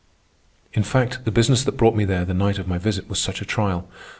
In fact, the business that brought me there the night of my visit was such a trial.